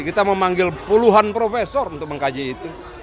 kita memanggil puluhan profesor untuk mengkaji itu